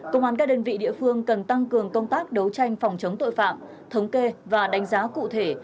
công an các đơn vị địa phương cần tăng cường công tác đấu tranh phòng chống tội phạm thống kê và đánh giá cụ thể